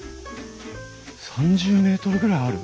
３０ｍぐらいある？